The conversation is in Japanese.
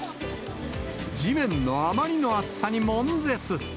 地面のあまりのあつさにもん絶。